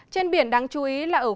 trên biển đáng chú ý là ở khu vực này